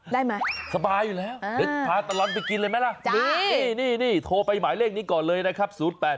ได้ไหมสบายอยู่แล้วเดี๋ยวพาตลอดไปกินเลยไหมล่ะนี่โทรไปหมายเลขนี้ก่อนเลยนะครับ